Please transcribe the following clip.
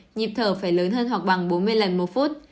nhịp thở phải lớn hơn hoặc bằng bốn mươi lần một phút